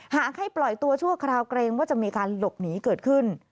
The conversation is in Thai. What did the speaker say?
หากให้ปล่อยตัวชั่วคราวเกรงว่าจะมีการหลบหนีเกิดขึ้น